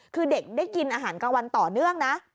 คือเด็กได้กินอาหารกลางวันต่อเนื่องนะ